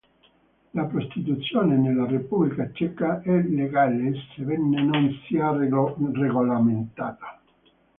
La prostituzione nella Repubblica Ceca è legale sebbene non sia regolamentata.